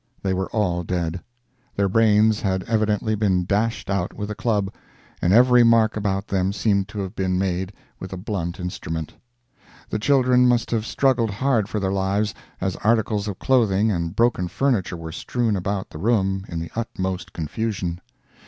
They were all dead. Their brains had evidently been dashed out with a club, and every mark about them seemed to have been made with a blunt instrument. The children must have struggled hard for their lives, as articles of clothing and broken furniture were strewn about the room in the utmost confusion.